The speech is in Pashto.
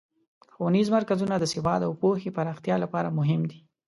ښوونیز مرکزونه د سواد او پوهې پراختیا لپاره مهم دي.